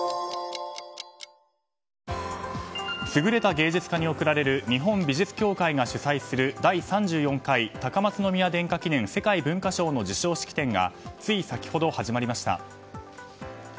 優れた芸術家に贈られる日本美術協会が主催する第３４回高松宮殿下記念世界文化賞授賞式の授賞式展がつい先ほど始まりました。